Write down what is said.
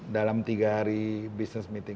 dalam tiga hari business meeting